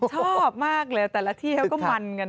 ชอบมากเลยแต่ละที่เขาก็มันกัน